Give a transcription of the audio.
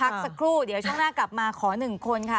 สักครู่เดี๋ยวช่วงหน้ากลับมาขอ๑คนค่ะ